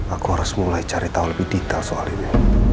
aku harus mulai cari tahu lebih detail soal ini